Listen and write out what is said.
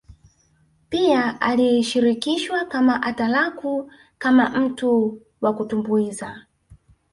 Pia alishirikishwa kama atalaku kama mtu wa kutumbuiza